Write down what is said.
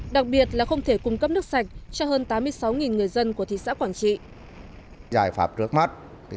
đặc biệt là không thể cung cấp nước sạch cho hơn tám mươi sáu người dân của thị xã quảng trị